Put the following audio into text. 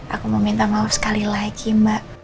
aku mau minta maaf sekali lagi mbak